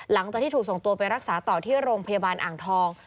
หลังจากที่ถูกส่งตัวไปรักษาต่อที่โรงพยาบาลอ่างทอง